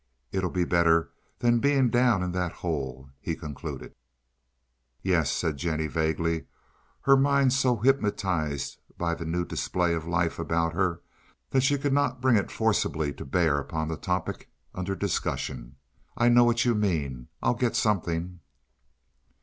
It'll be better than being down in that hole," he concluded. "Yes," said Jennie, vaguely, her mind so hypnotized by the new display of life about her that she could not bring it forcibly to bear upon the topic under discussion. "I know what you mean. I'll get something."